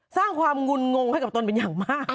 สร้างความงุ่นงงให้กับตนเป็นอย่างมาก